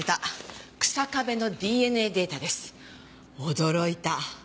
驚いた。